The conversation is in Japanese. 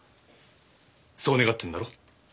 そう願ってんだろ。